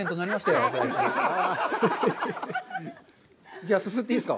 じゃあ、すすっていいですか？